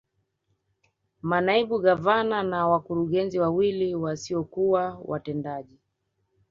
Manaibu Gavana na wakurugenzi wawili wasiokuwa watendaji